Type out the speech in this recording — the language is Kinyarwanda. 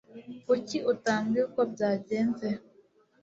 Kuki utambwiye uko byagenze?